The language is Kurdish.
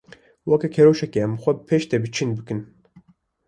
Weke keroşkê em xwe bi pêş de çind bikin.